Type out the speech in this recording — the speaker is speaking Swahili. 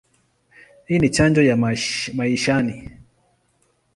Hii ni chanjo ya maishani.